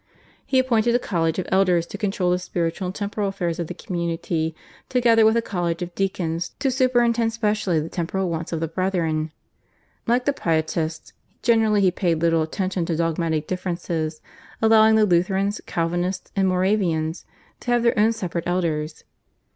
He appointed a college of elders to control the spiritual and temporal affairs of the community, together with a college of deacons to superintend specially the temporal wants of the brethren. Like the Pietists generally he paid little attention to dogmatic differences, allowing the Lutherans, Calvinists, and Moravians to have their own separate elders.